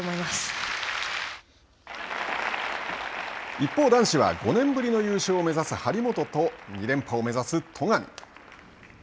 一方男子は５年ぶりの優勝を目指す張本と２連覇を目指す戸上。